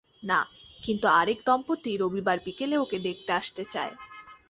না, কিন্তু আরেক দম্পতি রবিবার বিকেলে ওকে দেখতে আসতে চায়।